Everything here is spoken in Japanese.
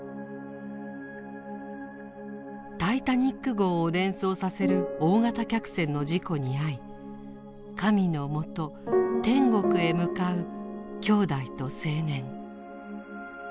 タイタニック号を連想させる大型客船の事故に遭い神のもと天国へ向かう姉弟と青年。